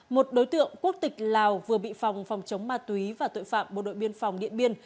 một đối tượng quốc tịch lào vừa bị phòng phòng chống ma túy và tội phạm bộ đội biên phòng điện biên